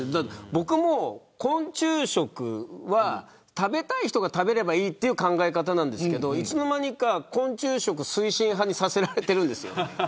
僕も昆虫食は食べたい人が食べればいいという考え方なんですけどいつの間にか昆虫食推進派にさせられてるんです。